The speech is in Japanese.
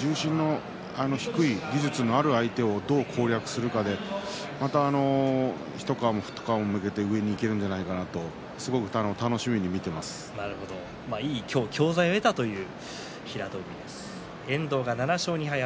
重心の低い技術のある相手をどう攻略するかでまた一皮も二皮もむけて上にいけるんじゃないかなといい教材を得たという平戸海です。